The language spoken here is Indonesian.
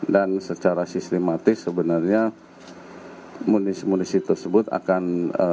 dan secara sistematis sebenarnya amunisi amunisi tersebut akan